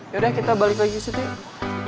yaudah kita balik lagi situ